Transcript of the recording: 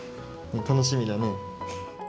楽しみだね。